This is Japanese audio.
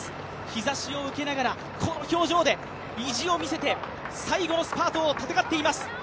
日ざしを受けながらこの表情で意地を見せて最後のスパートを戦っています。